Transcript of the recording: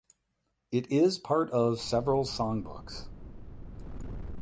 It is part of several songbooks.